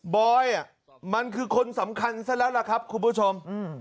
บอยมันคือคนสำคัญซะแล้วล่ะครับคุณผู้ชม